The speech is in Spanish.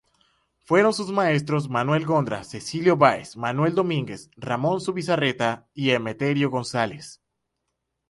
Fueron sus maestros: Manuel Gondra, Cecilio Báez, Manuel Domínguez, Ramón Zubizarreta y Emeterio González.